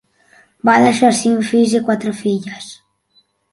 Va deixar cinc fills i quatre filles.